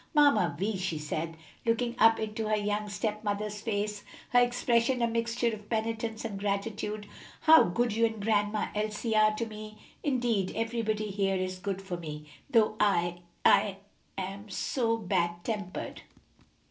"Mamma Vi," she said, looking up into her young stepmother's face, her expression a mixture of penitence and gratitude, "how good you and Grandma Elsie are to me! Indeed, everybody here is good to me; though I I'm so bad tempered."